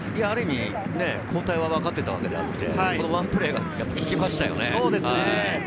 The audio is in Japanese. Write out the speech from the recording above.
ある意味、交代は分かってたわけであって、このワンプレーが効きましたよね。